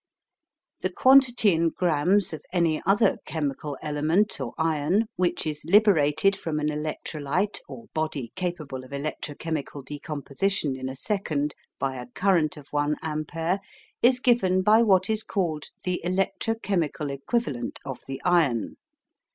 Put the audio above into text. The quantity in grammes of any other chemical element or ion which is liberated from an electrolyte or body capable of electrochemical decomposition in a second by a current of one ampere is given by what is called the electrochemical equivalent of the ion.